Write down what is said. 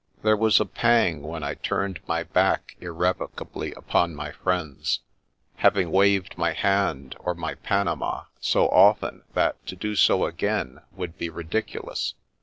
There was a pang when I turned ray back irrev ocably upon my friends, having waved my hand or my panama so often that to do so again would be ridiculous.